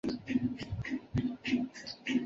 对养乐多有莫名的执着。